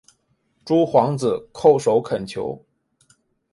诸皇子叩首恳求。